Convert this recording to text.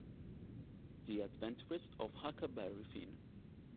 The Adventures of Huckleberry Finn